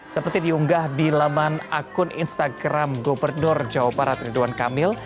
seperti diunggah di laman akun instagram gubernur jawa barat ridwan kamil